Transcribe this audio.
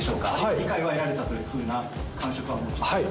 理解は得られたというふうな感触はお持ちですか？